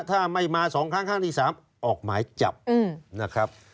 ถ้าไม่มา๒ครั้งครั้งที่๓ออกหมายจับนะครับ